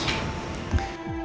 sama jangan ngorok